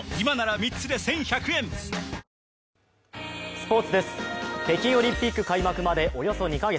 スポーツです、北京オリンピック開幕までおよそ２カ月。